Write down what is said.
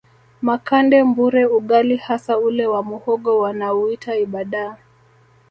Makande Mbure ugali hasa ule wa muhogo wanauita ibadaa